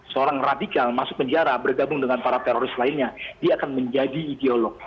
seorang radikal masuk penjara bergabung dengan para teroris lainnya dia akan menjadi ideolog